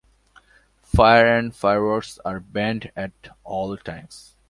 Fire and fireworks are banned at all times.